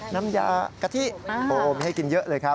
น้ำยากะทิโอ้โหไม่ให้กินเยอะเลยครับ